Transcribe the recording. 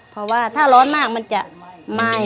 เพราะว่าถ้าร้อนมากมันจะไหม้